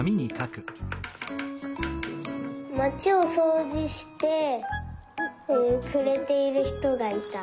まちをそうじしてくれているひとがいた。